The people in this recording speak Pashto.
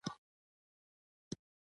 دا د زبېښونکو بنسټونو د موجودیت له امله و.